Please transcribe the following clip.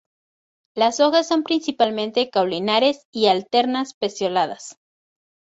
Las hojas son principalmente caulinares y alternas, pecioladas.